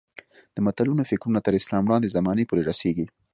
د متلونو فکرونه تر اسلام وړاندې زمانې پورې رسېږي